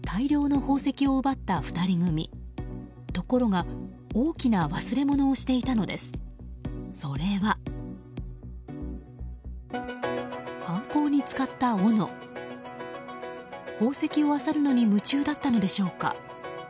宝石をあさるのに夢中だったのでしょうか。